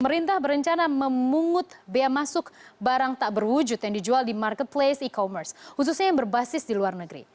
pemerintah berencana memungut biaya masuk barang tak berwujud yang dijual di marketplace e commerce khususnya yang berbasis di luar negeri